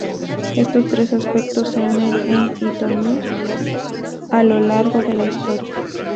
Estos tres aspectos se unen en Hitomi a lo largo de la historia.